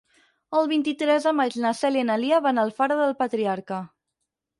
El vint-i-tres de maig na Cèlia i na Lia van a Alfara del Patriarca.